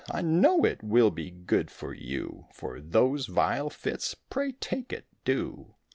I know it will be good for you For those vile fits, pray take it, do."